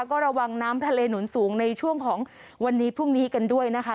ก็ระวังน้ำทะเลหนุนสูงในช่วงของวันนี้พรุ่งนี้กันด้วยนะคะ